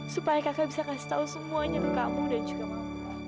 supaya kakak bisa kasih tahu semuanya ke kamu dan juga mau